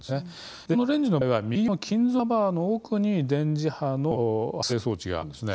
このレンジの場合は右横の金属カバーの奥に電磁波の発生装置があるんです。